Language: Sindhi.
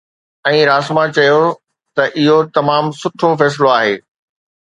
۽ راسما چيو ته اهو تمام سٺو فيصلو آهي.